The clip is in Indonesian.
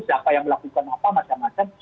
siapa yang melakukan apa macam macam